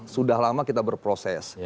sudah lama kita berproses